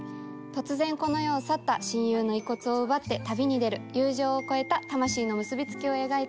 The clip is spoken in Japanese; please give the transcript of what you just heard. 突然この世を去った親友の遺骨を奪って旅に出る友情を超えた魂の結びつきを描いた作品です。